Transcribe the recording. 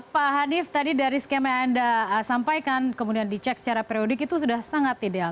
pak hanif tadi dari skema yang anda sampaikan kemudian dicek secara periodik itu sudah sangat ideal